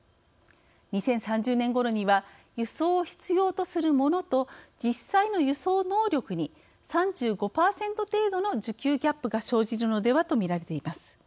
２０３０年ごろには輸送を必要とするモノと実際の輸送能力に３５％程度の需給ギャップが生じるのではとみられています。